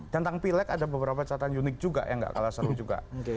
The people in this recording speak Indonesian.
tentang pilek ada beberapa catatan unik juga yang gak kalah seru juga